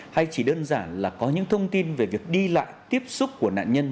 hay chỉ đơn giản là có những thông tin về việc đi lại tiếp xúc của nạn nhân